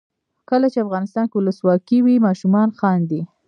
کله چې افغانستان کې ولسواکي وي ماشومان خاندي.